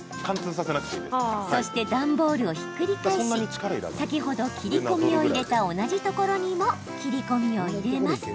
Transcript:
そして段ボールをひっくり返し先ほど切り込みを入れた同じところにも切り込みを入れます。